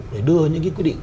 để đưa những cái quy định